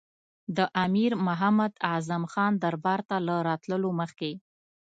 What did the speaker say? د امیر محمد اعظم خان دربار ته له راتللو مخکې.